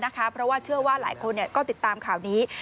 เพราะว่าเชื่อว่าหลายคนก็ติดตามข่าวนี้